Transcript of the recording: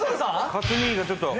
克兄がちょっと。